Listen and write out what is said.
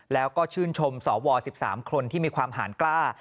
แล้วก็ชื่นชมสว๑๓คนที่มีความหารกล้า